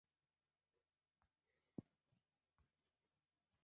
hoja madhubuti mpaka baadae ikatoka ruhusa mpaka saa nane usiku Je fiesta mwaka elfu